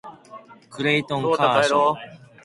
クレイトン・カーショー